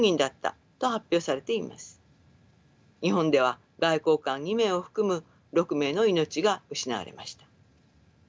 日本では外交官２名を含む６名の命が失われました。